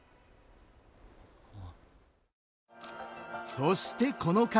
そしてこの方！